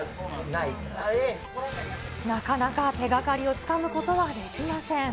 なかなか手がかりをつかむことはできません。